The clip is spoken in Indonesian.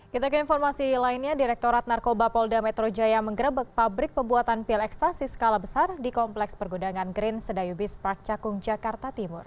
kita ke informasi lainnya direktorat narkoba polda metro jaya menggerebek pabrik pembuatan pil ekstasi skala besar di kompleks pergudangan green sedayubis park cakung jakarta timur